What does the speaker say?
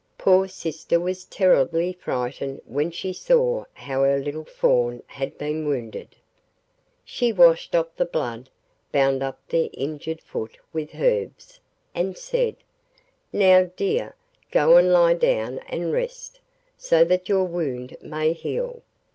Poor sister was terribly frightened when she saw how her little Fawn had been wounded. She washed off the blood, bound up the injured foot with herbs, and said: 'Now, dear, go and lie down and rest, so that your wound may heal.